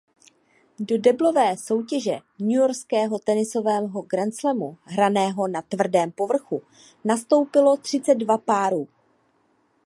Do deblové soutěže newyorského tenisového grandslamu hraného na tvrdém povrchu nastoupilo třicet dva párů.